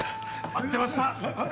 待ってました！